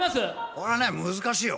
これは難しいよ。